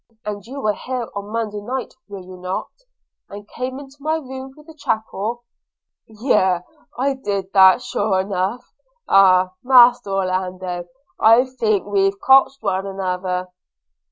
'And you were here on Monday night, were you not? and came into my room through the chapel?' 'Yes, that I did, sure enough. Aha! Master Orlando! I think we've cotch'd one another.'